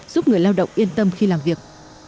giúp người lao động yên tâm khi làm việc